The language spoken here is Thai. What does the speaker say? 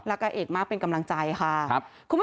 อาเอกมากเป็นกำลังใจค่ะ